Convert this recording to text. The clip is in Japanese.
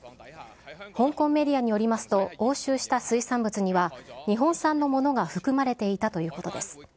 香港メディアによりますと、押収した水産物には、日本産のものが含まれていたということです。